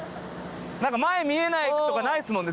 前見えないとかないですもんね。